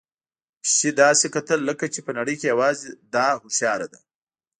پيشو داسې کتل لکه چې په نړۍ کې یوازې ده هوښیار ده.